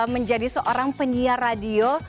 menjadi seorang penyiar radio